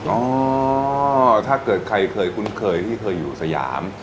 ถ้าเกิดใครเคยคุ้นเคยที่เคยอยู่สยาม